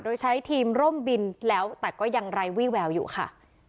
โดยใช้ทีมร่มบินแล้วแต่ก็ยังไร้วี่แววอยู่ค่ะ